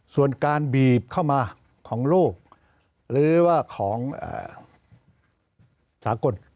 ส่วนการบีบเข้ามาของโลกหรือว่าของสากล